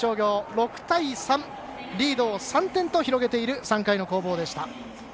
６対３リードを３点と広げている３回の攻防でした。